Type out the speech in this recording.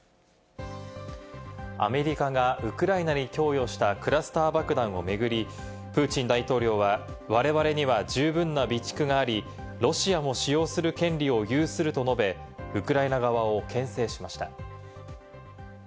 アメリカがウクライナに供与したクラスター爆弾をめぐり、プーチン大統領は、我々には十分な備蓄があり、ロシアも使用する権利を有すると述べ、ウクライナ側をけん制しました。